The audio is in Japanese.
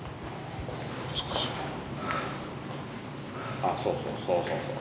ああそうそうそうそうそう。